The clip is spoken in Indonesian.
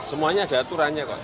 semuanya ada aturannya kok